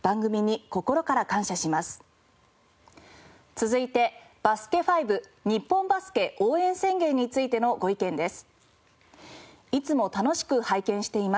続いて『バスケ☆ＦＩＶＥ日本バスケ応援宣言』についてのご意見です。